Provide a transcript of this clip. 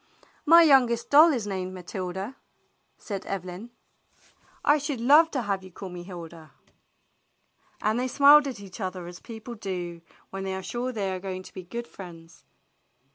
"My youngest doll is named Matilda," said Eve lyn. "I should love to have you call me Hilda." And 14 THE BLUE AUNT they smiled at each other as people do when they are sure they are going to be good friends.